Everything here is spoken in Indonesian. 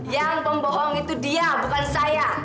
yang pembohong itu dia bukan saya